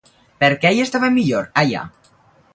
Per què hi estaven millor, allà?